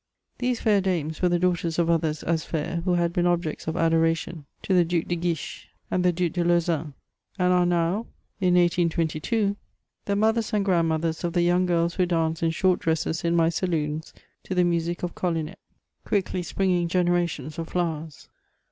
These fair dames were the daughters of others as &t who had heen ohjects of adoration to the Due de Quiche and the Due de Lauzun ; and are now, in 1822, the mothers and grandmothers of the joung girls who dance in short dresses in my saloons^ to tiie music of Collinet— quickly springing generations of flowers.